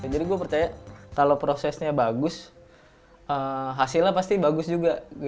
jadi gue percaya kalo prosesnya bagus hasilnya pasti bagus juga